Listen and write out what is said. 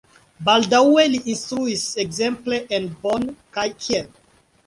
Baldaŭe li instruis ekzemple en Bonn kaj Kiel.